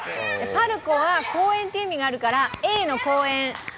パルコは公園という意味があるからＡの公園。